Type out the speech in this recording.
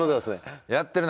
やってるな。